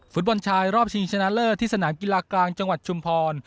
ฟุตบอลชายรอบชิงชนะเลิศที่สนามกีฬากลางจังหวัดชุมพร